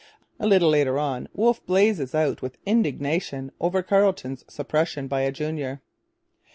A little later on Wolfe blazes out with indignation over Carleton's supersession by a junior.